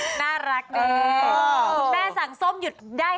อุ๊ยน่ารักนี่